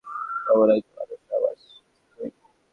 তেমন একজন মানুষ আমার স্ত্রী।